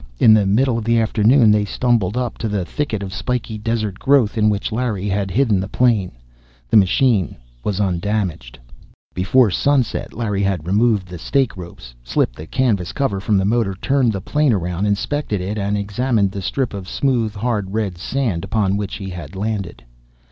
In the middle of the afternoon they stumbled up to the thicket of spiky desert growth, in which Larry had hidden the plane. The machine was undamaged. Before sunset, Larry had removed the stake ropes, slipped the canvas cover from the motor, turned the plane around, inspected it, and examined the strip of smooth, hard red sand upon which he had landed.